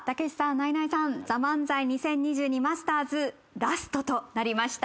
ナイナイさん『ＴＨＥＭＡＮＺＡＩ２０２２マスターズ』ラストとなりました。